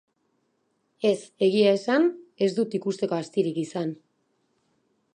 Ez, egia esan ez dut ikusteko astirik izan.